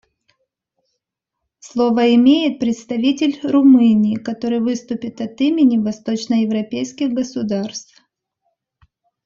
Слово имеет представитель Румынии, который выступит от имени восточноевропейских государств.